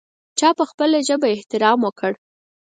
چا په خپله ژبه احترام وکړ.